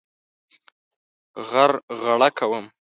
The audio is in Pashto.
غرغړه کوم.